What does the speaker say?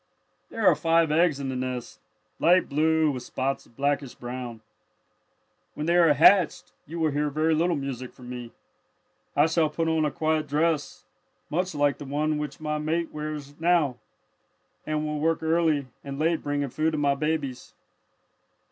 "There are five eggs in the nest, light blue with spots of blackish brown. "When they are hatched, you will hear very little music from me. I shall put on a quiet dress, much like the one which my mate now wears, and will work early and late bringing food to my babies.